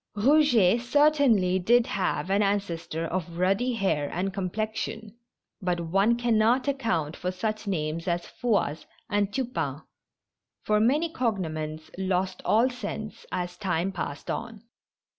Eouget cer THE MAHfe AND THE FLOCHES. 201 tainly did have an ancestor of ruddy hair and complex ion, but one cannot account for such names as Fouasse and Tupain, for many cognomens lost all sense as time passed on.